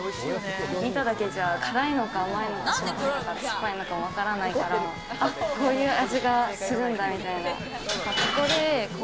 辛いのか甘いのか、すっぱいのか、わからないから、こういう味がするんだっていう。